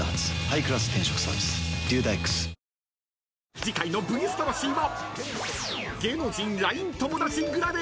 ［次回の『ＶＳ魂』は］